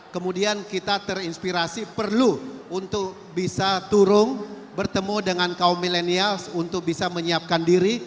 kemudian kita terinspirasi perlu untuk bisa turun bertemu dengan kaum milenials untuk bisa menyiapkan diri